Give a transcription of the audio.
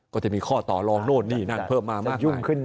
ก็จะมีข้อต่อรองโน้นนี่นั่นเพิ่มมามากมาย